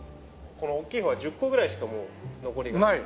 この大きい方は１０個ぐらいしかもう残りが。